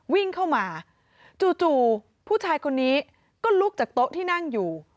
วิ่งเข้ามาจู่ผู้ชายคนนี้ก็ลุกจากโต๊ะที่นั่งอยู่